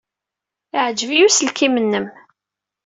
Yeɛjeb-iyi uselkim-nnem.